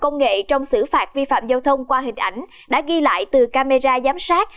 công nghệ trong xử phạt vi phạm giao thông qua hình ảnh đã ghi lại từ camera giám sát